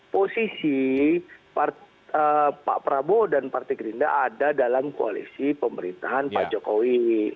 posisi pak prabowo dan partai gerindra ada dalam koalisi pemerintahan pak jokowi